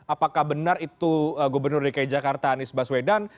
apakah benar itu gubernur dki jakarta anies baswedan